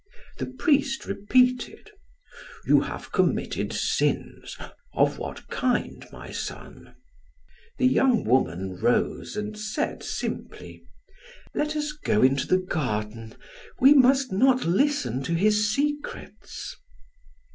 The priest repeated: "You have committed sins: of what kind, my son?" The young woman rose and said simply: "Let us go into the garden. We must not listen to his secrets."